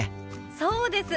そうです。